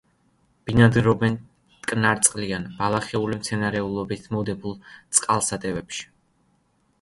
ბინადრობენ მტკნარწყლიან, ბალახეული მცენარეულობით მოდებულ წყალსატევებში.